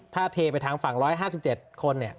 ถ้าเทไปทางฝั่ง๑๕๗คน